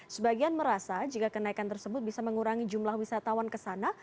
sebagian merasa jika kenaikan tersebut bisa mengurangi jumlah wisatawan ke sana